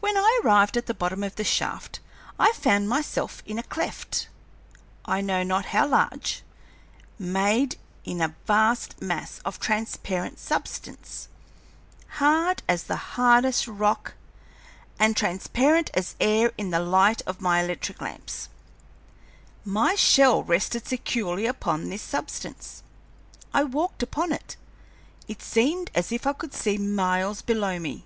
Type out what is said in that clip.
"When I arrived at the bottom of the shaft, I found myself in a cleft, I know not how large, made in a vast mass of transparent substance, hard as the hardest rock and transparent as air in the light of my electric lamps. My shell rested securely upon this substance. I walked upon it. It seemed as if I could see miles below me.